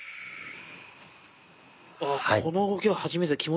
あっこの動きは初めて。